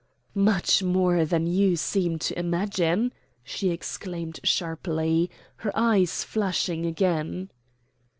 "Much more than you seem to imagine," she exclaimed sharply, her eyes flashing again.